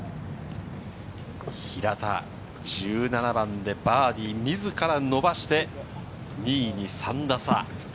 平田、１７番でバーディー、自ら伸ばして２位に３打差。